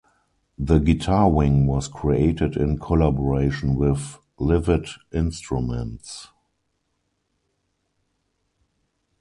The Guitar Wing was created in collaboration with "Livid Instruments".